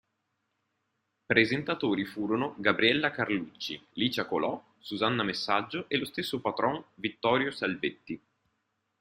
Presentatori furono Gabriella Carlucci, Licia Colò, Susanna Messaggio e lo stesso patron Vittorio Salvetti.